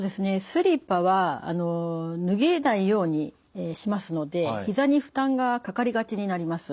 スリッパは脱げないようにしますのでひざに負担がかかりがちになります。